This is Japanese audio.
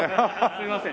すいません。